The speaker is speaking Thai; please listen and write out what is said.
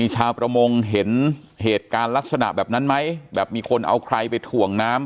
ชาวประมงเห็นเหตุการณ์ลักษณะแบบนั้นไหมแบบมีคนเอาใครไปถ่วงน้ำ